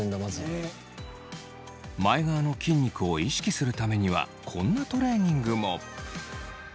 前側の筋肉を意識するためにはこんなトレーニングも。